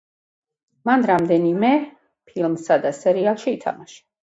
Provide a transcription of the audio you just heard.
მან რამდენიმე ფილმსა და სერიალში ითამაშა.